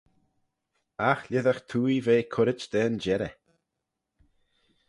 Agh lhisagh twoaie ve currit da'n jerrey.